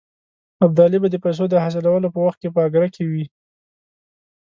ابدالي به د پیسو د حاصلولو په وخت کې په اګره کې وي.